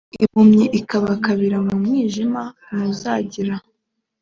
impumyi ikabakabira mu mwijima ntuzagira